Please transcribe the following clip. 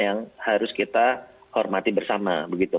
yang harus kita hormati bersama begitu